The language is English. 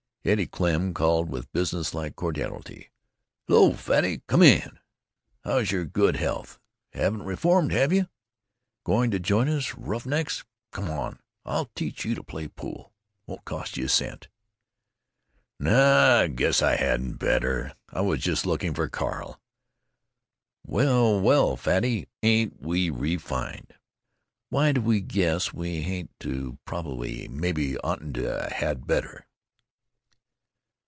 Eddie Klemm called, with business like cordiality: "H'lo, Fatty! Come in. How's your good health? Haven't reformed, have you? Going to join us rough necks? Come on; I'll teach you to play pool. Won't cost you a cent." "No, I guess I hadn't better. I was just looking for Carl." "Well, well, Fatty, ain't we ree fined! Why do we guess we hadn't to probably maybe oughtn't to had better?"